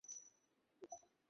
আমরা কি যাবো তাহলে?